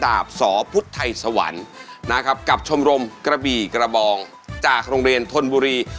สพุทธไทยสวรรค์นะครับกับชมรมกระบี่กระบองจากโรงเรียนธนบุรี